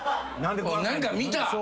何か見た。